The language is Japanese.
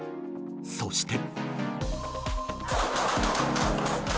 そして。